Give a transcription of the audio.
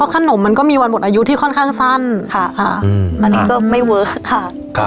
ขนมมันก็มีวันหมดอายุที่ค่อนข้างสั้นค่ะอันนี้ก็ไม่เวิร์คค่ะ